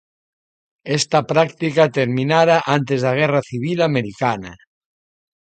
Esta práctica terminara antes da guerra civil americana.